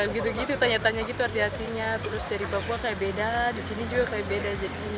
gitu gitu tanya tanya gitu arti artinya terus dari papua kayak beda disini juga kayak beda